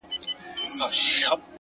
په دومره سپینو کي عجیبه انتخاب کوي؛